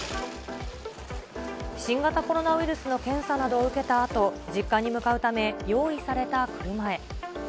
新型コロナウイルスの検査などを受けたあと、実家に向かうため、用意された車へ。